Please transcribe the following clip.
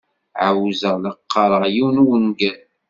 Ɛawzeɣ la qqareɣ yiwen n wungal.